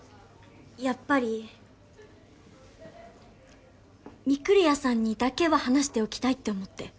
やっぱり御厨さんにだけは話しておきたいって思って。